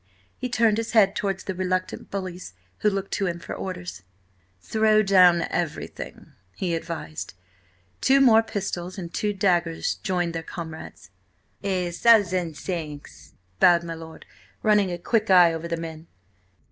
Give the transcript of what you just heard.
He turned his head towards the reluctant bullies who looked to him for orders. "Throw down everything!" he advised. Two more pistols and two daggers joined their comrades. "A thousand thanks!" bowed my lord, running a quick eye over the men.